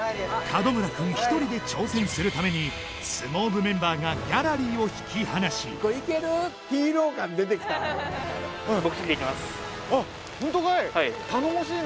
門村君１人で挑戦するために相撲部メンバーがギャラリーを引き離しホントかい？